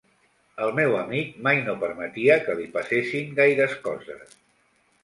El meu amic mai no permetia que li passessin gaires coses.